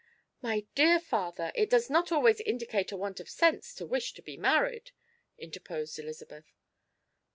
"My dear father, it does not always indicate a want of sense to wish to be married," interposed Elizabeth.